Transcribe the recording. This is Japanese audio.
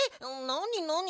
なになに？